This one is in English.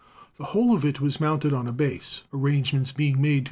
The whole was mounted on a base, arrangements being made to